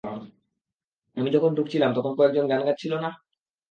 আমি যখন ঢুকছিলাম, তখন কয়েকজন গান গাচ্ছিলে না?